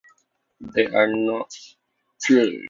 They are not cheering for Lois, as it first appears, but for Meg.